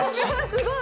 すごい！